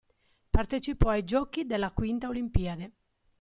Partecipò ai Giochi della V Olimpiade.